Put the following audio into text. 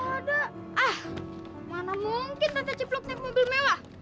ah mana mungkin tante cipluk naik mobil mewah